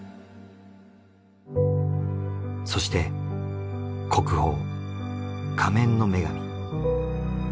そして国宝『仮面の女神』。